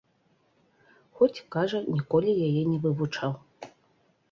Хоць, кажа, ніколі яе не вывучаў.